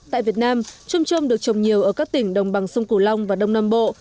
tại việt nam trôm trôm được trồng nhiều ở các tỉnh đồng bằng sông cửu long và đông nam bộ